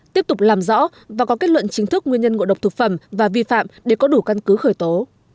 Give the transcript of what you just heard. tiếp tục làm rõ và có kết luận chính thức nguyên nhân ngộ độc thực phẩm và vi phạm để có đủ căn cứ khởi tố